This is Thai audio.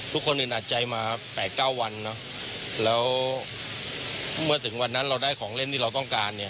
คนอื่นอัดใจมา๘๙วันเนอะแล้วเมื่อถึงวันนั้นเราได้ของเล่นที่เราต้องการเนี่ย